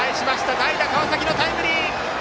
代打・川崎のタイムリー！